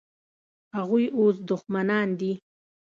هغوی اوس دښمنان دي.